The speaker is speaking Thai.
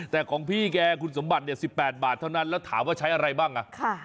แต่ของพี่แกคุณสมบัติเนี่ย๑๘บาทเท่านั้นแล้วถามว่าใช้อะไรบ้างอ่ะ